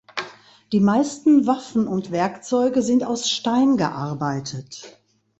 Die meisten Waffen und Werkzeuge sind aus Stein gearbeitet.